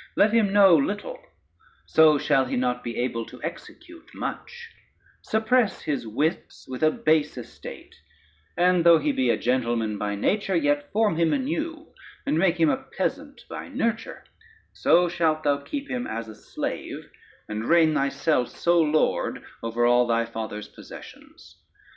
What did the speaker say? ] Let him know little, so shall he not be able to execute much: suppress his wits with a base estate, and though he be a gentleman by nature, yet form him anew, and make him a peasant by nurture: so shalt thou keep him as a slave, and reign thyself sole lord over all thy father's possessions.